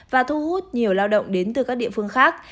và thu hút nhiều lao động đến từ các địa phương khác